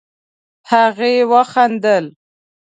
هغې وخندل.